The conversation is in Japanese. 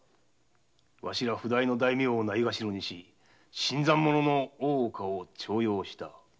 わしら譜代の大名をないがしろにし新参者の大岡を重用した。